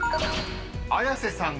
［綾瀬さん